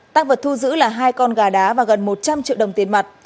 tăng vật thu giữ là hai con gà đá và gần một trăm linh triệu đồng tiền mặt